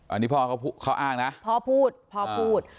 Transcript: อันนี้พ่อเขาอ้างนะพ่อพูดพ่อพูด